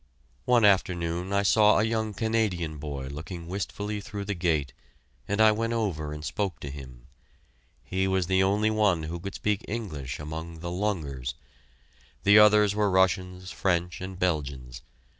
One afternoon I saw a young Canadian boy looking wistfully through the gate, and I went over and spoke to him. He was the only one who could speak English among the "lungers." The others were Russians, French, and Belgians.